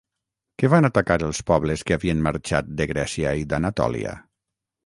Què van atacar els pobles que havien marxat de Grècia i d'Anatòlia?